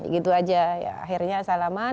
gitu aja akhirnya salaman